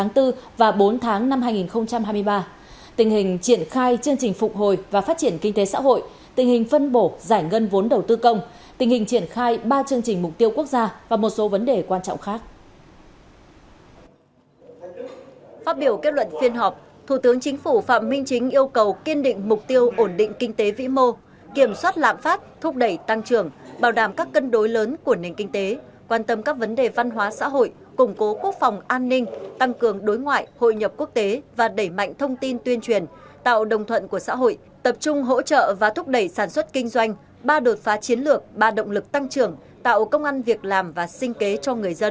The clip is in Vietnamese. nguyễn thị kim thảo kết luận phiên họp thủ tướng chính phủ phạm minh chính yêu cầu kiên định mục tiêu ổn định kinh tế vĩ mô kiểm soát lãm phát thúc đẩy tăng trưởng bảo đảm các cân đối lớn của nền kinh tế quan tâm các vấn đề văn hóa xã hội củng cố quốc phòng an ninh tăng cường đối ngoại hội nhập quốc tế và đẩy mạnh thông tin tuyên truyền tạo đồng thuận của xã hội tập trung hỗ trợ và thúc đẩy sản xuất kinh doanh ba đột phá chiến lược ba động lực tăng trưởng tạo công an việc